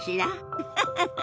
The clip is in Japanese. ウフフフ。